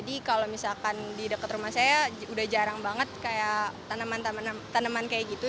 dekat rumah saya udah jarang banget kayak tanaman tanaman kayak gitu